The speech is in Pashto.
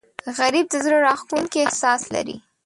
غریب د زړه راښکونکی احساس لري